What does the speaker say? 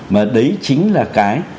mà đấy chính là cái